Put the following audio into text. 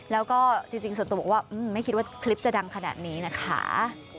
แล้วก็จริงส่วนตัวบอกว่าไม่คิดว่าคลิปจะดังขนาดนี้นะคะ